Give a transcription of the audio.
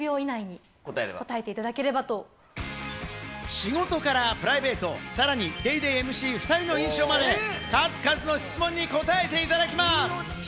仕事からプライベート、さらに『ＤａｙＤａｙ．』ＭＣ２人の印象まで、数々の質問に答えていただきます。